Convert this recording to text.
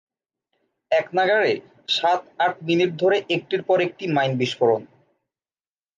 একনাগাড়ে সাত-আট মিনিট ধরে একটির পর একটি মাইন বিস্ফোরণ।